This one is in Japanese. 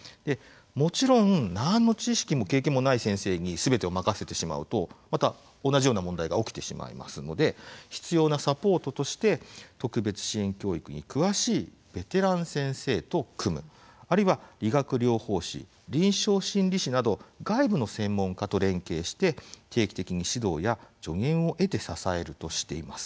もちろん、何の知識も経験もない先生にすべてを任せてしまうとまた同じような問題が起きてしまいますので必要なサポートとして特別支援教育に詳しいベテラン先生と組む、あるいは理学療法士、臨床心理士など外部の専門家と連携して定期的に指導や助言を得て支えるとしています。